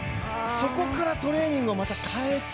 そこからトレーニングをまた変えて